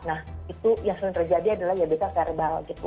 nah itu yang sering terjadi adalah ya bisa verbal gitu